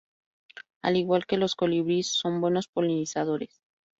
Al igual que los colibríes son buenos polinizadores.